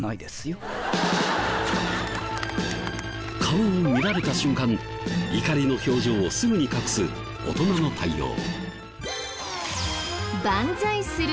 顔を見られた瞬間怒りの表情をすぐに隠す大人の対応。